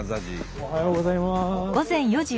おはようございます。